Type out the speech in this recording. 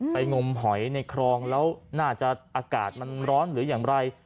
งมหอยในคลองแล้วน่าจะอากาศมันร้อนหรืออย่างไร